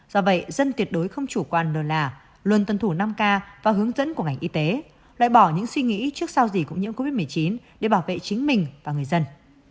do vậy dân tuyệt đối không chủ quan lơ là luôn tuân thủ năm k và hướng dẫn của ngành y tế loại bỏ những suy nghĩ trước sau gì cũng nhiễm covid một mươi chín để bảo vệ chính mình và người dân